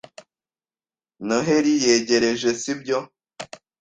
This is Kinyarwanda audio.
Noheri yegereje, si byo?